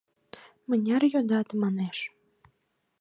— Мыняр йодат? — манеш.